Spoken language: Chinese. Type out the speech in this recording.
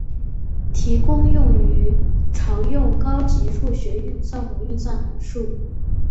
提供用于常用高级数学运算的运算函数。